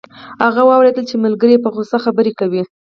هغه واوریدل چې ملګری یې په غوسه خبرې کوي